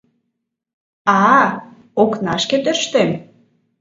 А-а, окнашке тӧрштем!